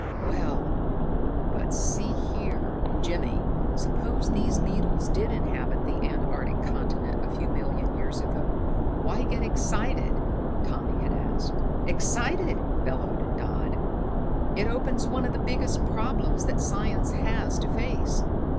"Well, but see here, Jimmy, suppose these beetles did inhabit the antarctic continent a few million years ago, why get excited?" Tommy had asked. "Excited?" bellowed Dodd. "It opens one of the biggest problems that science has to face.